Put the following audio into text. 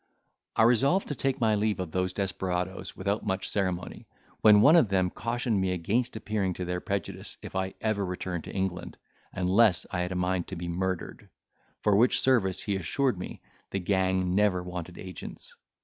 I resolved to take my leave of those desperadoes without much ceremony, when one of them cautioned me against appearing to their prejudice if ever I returned to England, unless I had a mind to be murdered; for which service, he assured me, the gang never wanted agents.